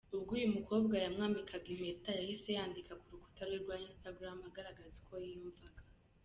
Ubwo uyu mukobwa yambikwaga impeta, yanditse ku rukuta rwe rwa instagram agaragaza uko yiyumvuga.